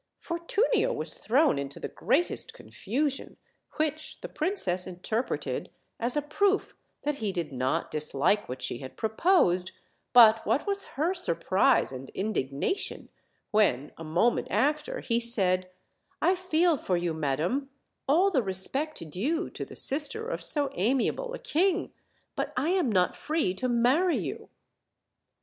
Fortunio was thrown into the greatest confusion, which the princess interpreted as a proof that he did not dislike what she had proposed; but what was her surprise and indignation, when, a moment after, he said: "I feel for you, madam, all the respect due to the sister of so amia ble a king; but I am not free to marry you."